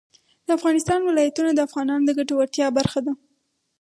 د افغانستان ولايتونه د افغانانو د ګټورتیا برخه ده.